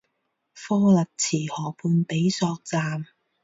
克勒兹河畔比索站。